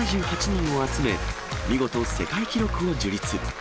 １７８人を集め、見事、世界記録を樹立。